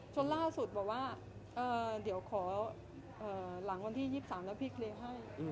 จนล่าสุดบอกว่าเดี๋ยวขอหลังวันที่๒๓แล้วพี่เคลียร์ให้